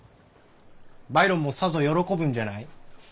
バイロンもさぞ喜ぶんじゃない？